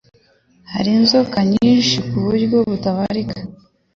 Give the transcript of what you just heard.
Hari inzoka nyinshi ku buryo butabarika